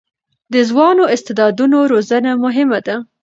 د ځوانو استعدادونو روزنه مهمه ده.